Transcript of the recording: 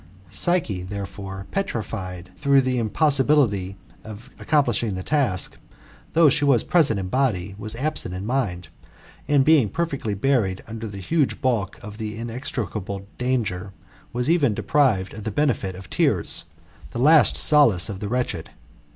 Psyche, therefore, petrified through the impossibility of accomplishing the task, though she was present in body, was absent in mind, and being perfectly buried under the huge bulk of the inextricable danger, was even deprived of the benefit of tears, the last solace of the wretched.